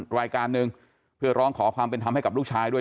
รายการหนึ่งเพื่อร้องขอความเป็นธรรมให้กับลูกชายด้วย